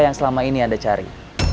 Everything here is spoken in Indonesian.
yang selama ini anda cari